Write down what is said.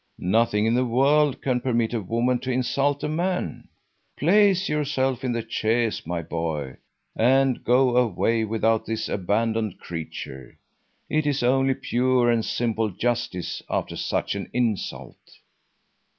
Nothing in the world can permit a woman to insult a man. Place yourself in the chaise, my boy, and go away without this abandoned creature! It is only pure and simple justice after such an insult."